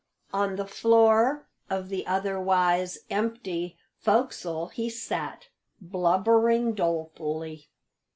On the floor of the otherwise empty "fo'csle" he sat, blubbering dolefully.